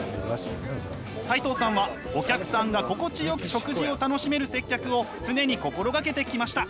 齋藤さんはお客さんが心地よく食事を楽しめる接客を常に心がけてきました。